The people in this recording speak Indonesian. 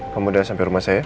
kamu sudah sampai ke rumah saya